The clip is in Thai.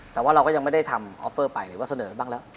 แต่เราก็ยังไม่ได้ทำอฟเฟิร์ไปหรือบ้างแล้ว